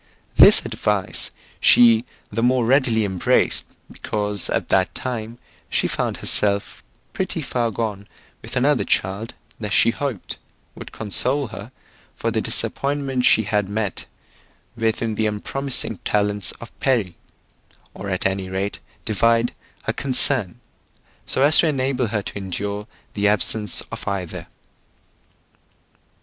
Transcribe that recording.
This advice she the more readily embraced, because at that time she found herself pretty far gone with another child that she hoped would console her for the disappointment she had met with in the unpromising talents of Perry, or at any rate divide her concern, so as to enable her to endure the absence of either.